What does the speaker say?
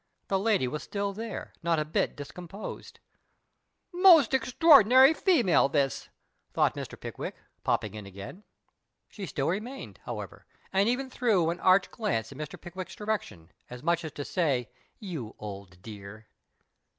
The lady was still there, not a bit discomposed. " Most extraordinary female, this," thought Mr. Pickwick, jDopping in again. 48 MR. PICKWICK AT THE PLAY She still remained, however, and even threw an arch glanee in Mr. Pickwick's direction, as niucii as to say, " You old dear."